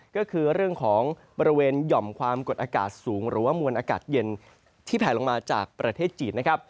ก็คือเรื่องของบริเวณหย่อมความกดอากาศสูงหรือว่ามวลอากาศเย็นที่แผลลงมาจากประเทศจีนนะครับ